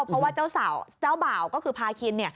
เพราะว่าเจ้าสาวเจ้าบ่าวก็คือพาคิน